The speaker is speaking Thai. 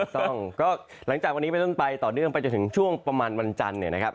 ถูกต้องก็หลังจากวันนี้ไปต้นไปต่อเนื่องไปจนถึงช่วงประมาณวันจันทร์เนี่ยนะครับ